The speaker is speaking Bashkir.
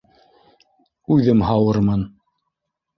Үҙем һауырмын.